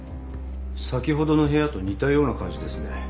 先ほどの部屋と似たような感じですね。